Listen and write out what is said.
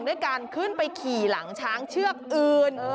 ด้วยการขึ้นไปขี่หลังช้างเชือกอื่น